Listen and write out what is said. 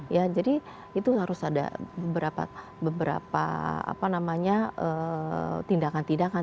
ya jadi itu harus ada beberapa tindakan tindakan